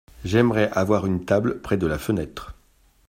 J’aimerais avoir une table près de la fenêtre.